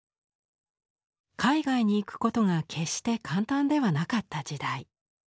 海外に行くことが決して簡単ではなかった時代。